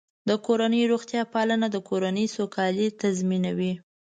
د کورنۍ روغتیا پالنه د کورنۍ سوکالي تضمینوي.